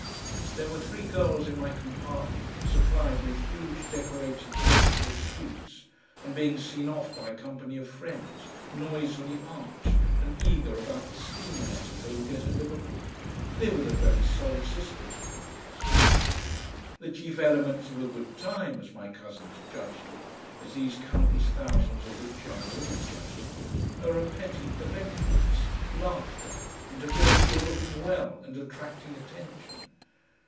There were three girls in my compartment supplied with huge decorated cases of sweets, and being seen off by a company of friends, noisily arch and eager about the "steamer letters" they would get at Liverpool; they were the very soul sisters of my cousins. The chief elements of a good time, as my cousins judged it, as these countless thousands of rich young women judge it, are a petty eventfulness, laughter, and to feel that you are looking well and attracting attention.